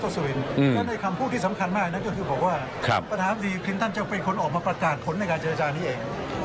เพราะฉะนั้นในคำพูดที่สำคัญมากนั้นก็คือบอกว่าประธานบดีคลินตันจะเป็นคนออกมาประกาศผลในการเจรจานี้เอง